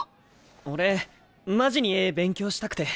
俺マジに絵勉強したくて。